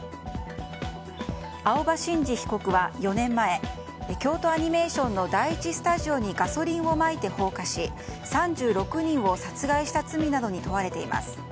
青葉真司被告は４年前京都アニメーションの第１スタジオにガソリンをまいて放火し３６人を殺害した罪などに問われています。